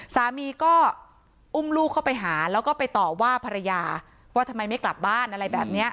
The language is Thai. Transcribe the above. สามีก็อุ้มลูกเข้าไปหาแล้วก็ไปต่อว่าภรรยาว่าทำไมไม่กลับบ้านอะไรแบบนี้